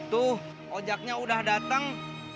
tuh ojaknya udah datang